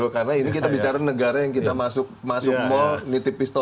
karena ini kita bicara negara yang kita masuk mall nitip pistol